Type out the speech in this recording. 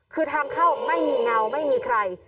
คือทางเข้าไม่มีเงาไม่มีใคร